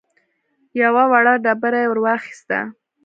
يوه وړه ډبره يې ور واخيسته.